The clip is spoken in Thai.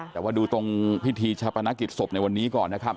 แต่ว่าดูตรงพิธีชาปนกิจศพในวันนี้ก่อนนะครับ